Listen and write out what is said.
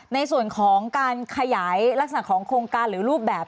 ในส่วนของการขยายลักษณะของโครงการหรือรูปแบบ